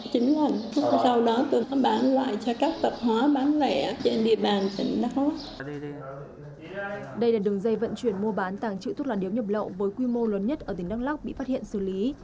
hiếu vận chuyển mua bán tàng trữ thuốc làn điếu nhập lậu với quy mô lớn nhất ở tỉnh đăng lắc bị phát hiện xử lý